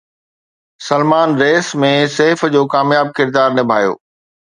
سلمان ريس ۾ سيف جو ڪامياب ڪردار نڀايو